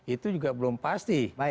itu juga belum pasti